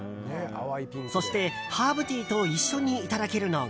そして、ハーブティーと一緒にいただけるのが。